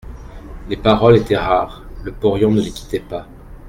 Les paroles étaient rares, le porion ne les quittait pas.